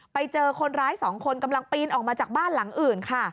ไปเจอคนร้ายสองคนกำลังปีนออกมาจากบ้านหลังอื่นค่ะ